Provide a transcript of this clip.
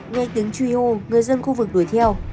nghe tiếng truy hô người dân khu vực đuổi theo